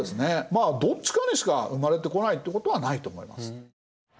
まあどっちかにしか生まれてこないってことはないと思います。